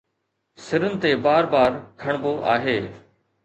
سرن تي بار بار کڻبو آهي